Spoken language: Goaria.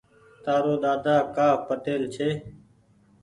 تآرو ۮاۮا ڪآ پٽيل ڇي ۔